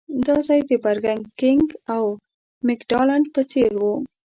دا ځای د برګر کېنګ او مکډانلډ په څېر و.